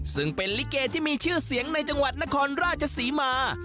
ซึ่งเป็นลิเกที่มีชื่อเสียงในจังหวัดนครราชศรีมา